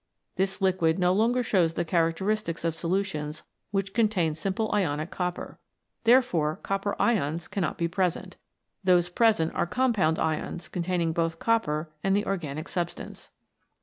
This liquid no longer shows the characteristics of solutions which contain simple ionic copper. Therefore copper ions cannot be present. Those present are com pound ions containing both copper and the organic substance.